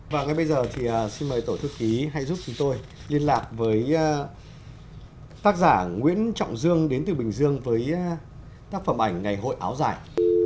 và ngay bây giờ thì xin mời tổ thư ký hãy giúp chúng tôi liên lạc với tác giả nguyễn trọng dương đến từ bình dương với tác phẩm ảnh ngày hội áo dài